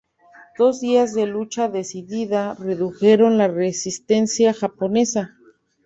Dos días de lucha decidida redujeron la resistencia japonesa.